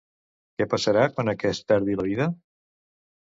Què passarà quan aquest perdi la vida?